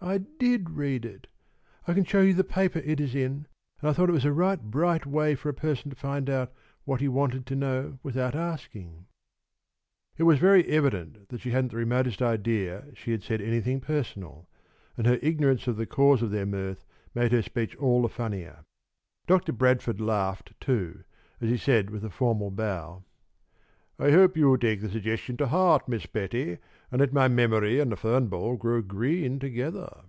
"I did read it. I can show you the paper it is in, and I thought it was a right bright way for a person to find out what he wanted to know without asking." It was very evident that she hadn't the remotest idea she had said anything personal, and her ignorance of the cause of their mirth made her speech all the funnier. Doctor Bradford laughed, too, as he said with a formal bow: "I hope you will take the suggestion to heart, Miss Betty, and let my memory and the fern ball grow green together."